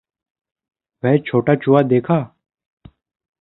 वह छोटा चूहा देखा?